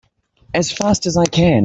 As fast as I can!